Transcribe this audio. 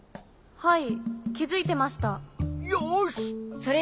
はい。